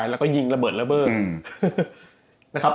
แล้วก็ยิงระเบิดระเบิก